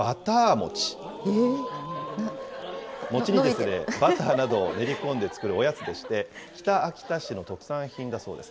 餅にバターなどを練り込んで作るおやつでして、北秋田市の特産品だそうです。